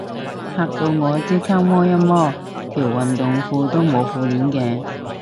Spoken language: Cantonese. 嚇到我即刻摸一摸，條運動褲都冇褲鏈嘅